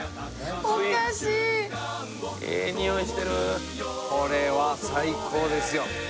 おかしいええ匂いしてるこれは最高ですよ